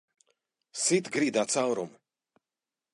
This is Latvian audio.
Sit grīdā caurumu!